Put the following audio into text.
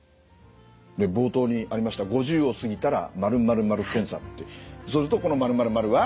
冒頭にありました「５０を過ぎたら○○○検査」ってそうするとこの○○○は？